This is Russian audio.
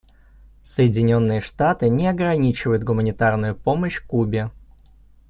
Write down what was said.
Соединенные Штаты не ограничивают гуманитарную помощь Кубе.